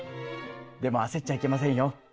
でも焦っちゃいけませんよ。